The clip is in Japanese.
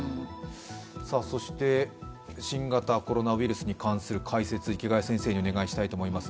そして新型コロナウイルスに関する解説を池谷先生にお願いしたいと思います。